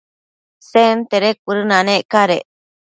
Sentede cuëdënanec cadec